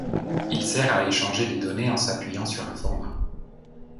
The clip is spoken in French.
Il sert à échanger des données en s'appuyant sur un format.